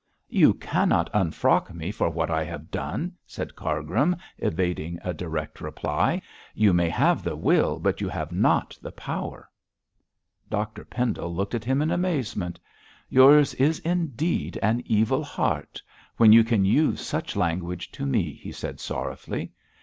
'You cannot unfrock me for what I have done,' said Cargrim, evading a direct reply. 'You may have the will, but you have not the power.' Dr Pendle looked at him in amazement 'Yours is indeed an evil heart, when you can use such language to me,' he said sorrowfully.